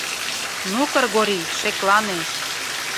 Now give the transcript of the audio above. Ну, Кыргорий, шеклане!